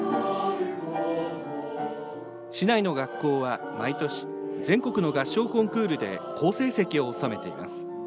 市内の学校は毎年全国の合唱コンクールで好成績を収めています。